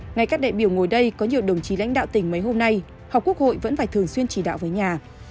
ngày các đại biểu ngồi đây có nhiều đồng chí lãnh đạo tỉnh mấy hôm nay học quốc hội vẫn phải thường xuyên chỉ đạo với nhà